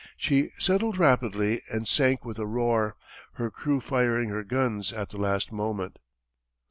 She settled rapidly and sank with a roar, her crew firing her guns to the last moment.